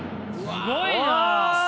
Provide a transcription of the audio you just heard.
すごいな！